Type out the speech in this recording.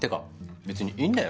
別にいいんだよ